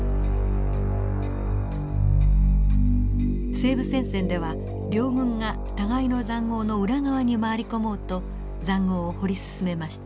西部戦線では両軍が互いの塹壕の裏側に回り込もうと塹壕を掘り進めました。